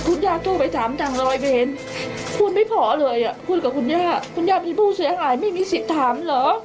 คุณย่าโทรไปถามทางลอยไปเห็นพูดไม่พอเลยอ่ะพูดกับคุณย่าคุณย่ามีผู้เสียหายไม่มีสิทธิ์ถามเหรอ